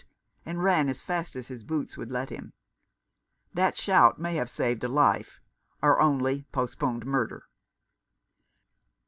" shouted the Sergeant, and ran as fast as his boots would let him. That shout may have saved a life, or only postponed murder.